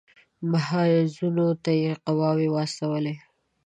محاذونو ته یې قواوې واستولې.